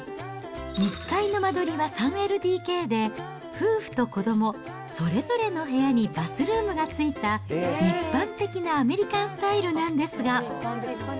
１階の間取りは３ＬＤＫで、夫婦と子どもそれぞれの部屋にバスルームがついた、一般的なアメリカンスタイルなんですが。